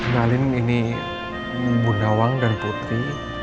ngalin ini bundawang dan putri